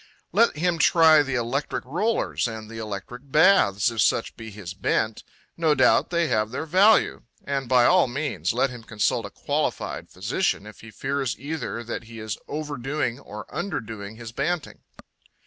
Let him try the electric rollers and the electric baths, if such be his bent; no doubt they have their value. And by all means let him consult a qualified physician if he fears either that he is overdoing or underdoing his banting.